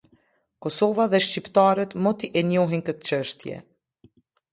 Kosova dhe shqiptarët moti e njohin këtë çështje.